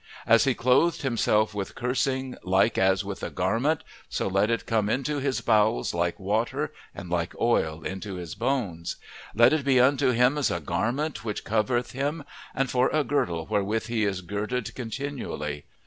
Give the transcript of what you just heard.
"As he clothed himself with cursing like as with a garment, so let it come into his bowels like water, and like oil into his bones. "Let it be unto him as a garment which covereth him, and for a girdle wherewith he is girded continually.